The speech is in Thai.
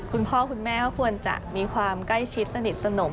คุณพ่อคุณแม่ก็ควรจะมีความใกล้ชิดสนิทสนม